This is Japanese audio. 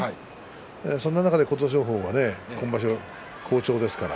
そんな中で琴勝峰が今場所好調です。